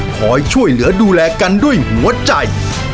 คอยช่วยเหลือดูแลกันด้วยหัวใจ